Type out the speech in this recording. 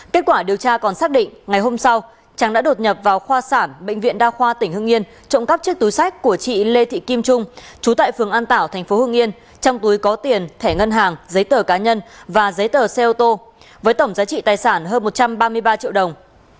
kết quả điều tra còn xác định ngày hôm sau tráng đã đột nhập vào khoa sản bệnh viện đa khoa tỉnh hưng yên trộm cắp chiếc túi sách của chị lê thị kim trung chú tại phường an tảo tp hưng yên trong túi có tiền thẻ ngân hàng giấy tờ cá nhân và giấy tờ xe ô tô với tổng giá trị tài sản hơn một trăm ba mươi ba triệu đồng